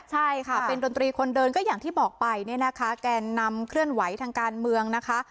ใช่ค่ะเป็นดนตรีคนเดินก็อย่างที่บอกไปเนี่ยนะคะแกนนำเคลื่อนไหวทางการเมืองนะคะ